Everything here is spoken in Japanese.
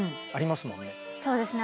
そうですね